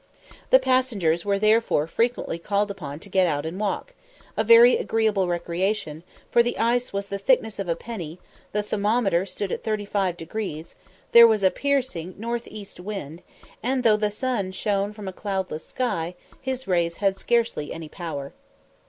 The passengers were therefore frequently called upon to get out and walk a very agreeable recreation, for the ice was the thickness of a penny; the thermometer stood at 35°; there was a piercing north east wind; and though the sun shone from a cloudless sky, his rays had scarcely any power.